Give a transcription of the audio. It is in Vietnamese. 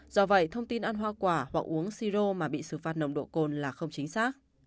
do vậy thông tin ăn hoa quả hoặc uống siro mà bị xử phạt nồng độ cồn là không chính xác